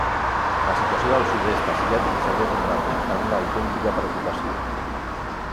La situació del sud-est asiàtic s'havia convertit en una autèntica preocupació.